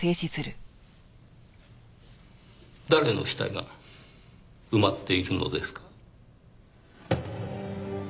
誰の死体が埋まっているのですか？